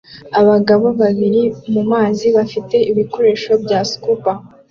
Abagabo babiri bari mumazi bafite ibikoresho bya SCUBA